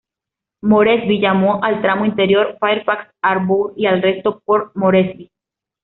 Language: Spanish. Moresby llamó al tramo interior "Fairfax Harbour", y al resto "Port Moresby".